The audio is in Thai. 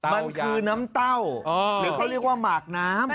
มันคือน้ำเต้าหรือเขาเรียกว่าหมากน้ำ